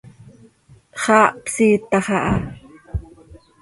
Xaa hpsiitax aha.